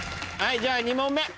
じゃあ２問目。